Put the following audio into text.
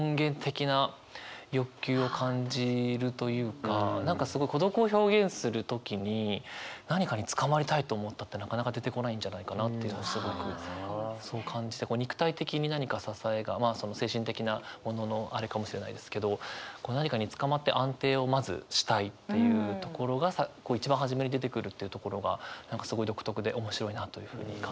私は前半に出てくる何かすごい孤独を表現する時に「何かにつかまりたいと思った」ってなかなか出てこないんじゃないかなって感じて肉体的に何か支えがまあその精神的なもののあれかもしれないですけど何かにつかまって安定をまずしたいっていうところが一番初めに出てくるっていうところが何かすごい独特で面白いなというふうに感じました。